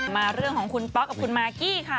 มาเรื่องของคุณป๊อกกับคุณมากกี้ค่ะ